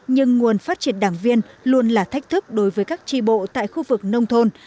nhưng nguồn phát triển đảng viên luôn là thách thức đối với các tri bộ tại khu vực nông thôn